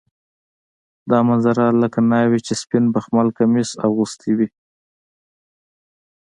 دا منظره لکه ناوې چې سپین بخمل کمیس اغوستی وي.